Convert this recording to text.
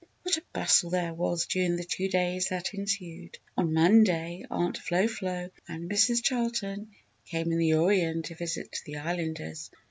What a bustle there was during the two days that ensued. On Monday, Aunt Flo Flo and Mrs. Charlton came in the Orion to visit the Islanders.